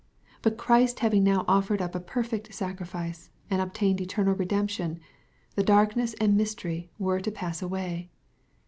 But Christ having now offered up a perfect sacrifice, and obtained eternal redemption, the darkness and mystery were to pass away.